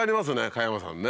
加山さんね。